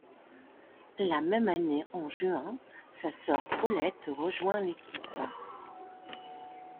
La même année en juin, sa sœur Paulette rejoint l'équipe.